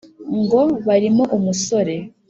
Ngo: barimo umusore